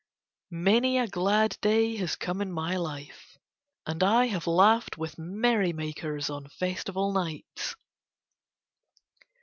Many a glad day has come in my life, and I have laughed with merrymakers on festival nights.